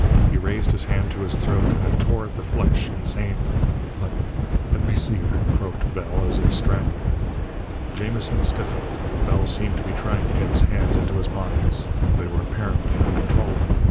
He raised his hand to his throat and it tore at the flesh, insanely. "Let let me see her," croaked Bell, as if strangling. Jamison stiffened. Bell seemed to be trying to get his hands into his pockets. They were apparently uncontrollable.